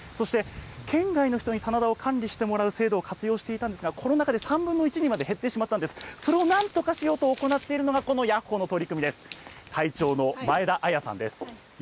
高齢化で農家の担い手が減少し、そして県外の人に棚田を管理してもらう制度を活用していたんですが、コロナ禍で３分の１にまで減ってしまったんです、それをなんとかして続けようとしてやっているのが、このヤッホーの取り組みです。